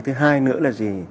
thứ hai nữa là gì